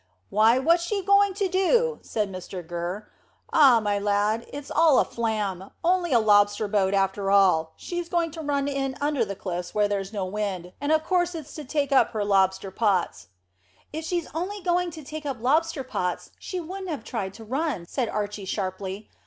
"Why, what's she going to do?" said Gurr. "Ah, my lad, it's all a flam. Only a lobster boat after all. She's going to run in under the cliffs where there's no wind, and of course it's to take up her lobster pots." "If she was only going to take up lobster pots she wouldn't have tried to run," said Archy sharply.